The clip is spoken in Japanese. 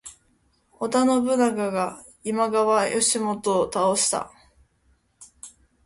織田信長が今川義元を倒した。